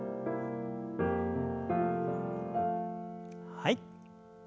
はい。